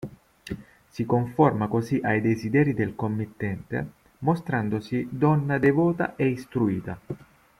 Si conforma così ai desideri del committente, mostrandosi donna devota e istruita.